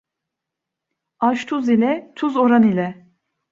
Aş tuz ile, tuz oran ile.